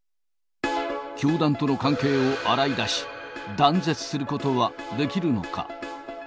教団との関係を洗い出し、断絶することはできるのか。